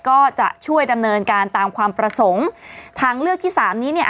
ก็จะช่วยดำเนินการตามความประสงค์ทางเลือกที่สามนี้เนี่ย